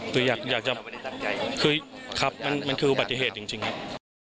คืออยากจะคือครับมันคืออุบัติเหตุจริงครับ